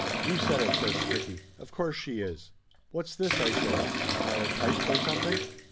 "You said it!" says Stricky. "Of course she is!" "What's this?" I says. "Am I a type, or something?"